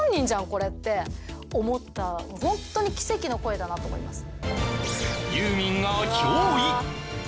これって思ったホントに奇跡の声だなと思います